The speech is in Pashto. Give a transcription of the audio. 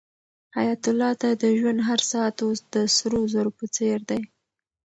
حیات الله ته د ژوند هر ساعت اوس د سرو زرو په څېر دی.